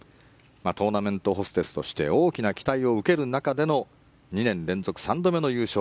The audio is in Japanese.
トーナメントホステスとして大きな期待を受ける中での２年連続３度目の優勝